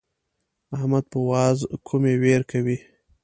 احمد په واز کومې وير کوي.